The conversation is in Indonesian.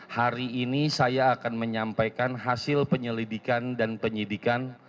hari ini saya akan menyampaikan hasil penyelidikan dan penyidikan